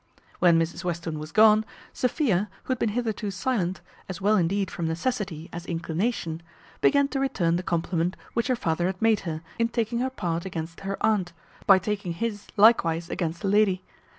When Mrs Western was gone, Sophia, who had been hitherto silent, as well indeed from necessity as inclination, began to return the compliment which her father had made her, in taking her part against her aunt, by taking his likewise against the lady.